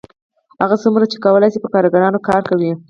هغه څومره چې کولی شي په کارګرانو کار کوي